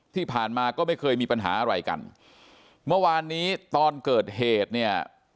ที่ผ่านมาก็ไม่เคยมีปัญหาอะไรกันเมื่อวานนี้ตอนเกิดเหตุเนี่ย